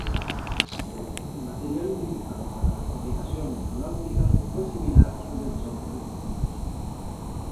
El material utilizado para la fabricación motonáutica fue similar al de los autos deportivos.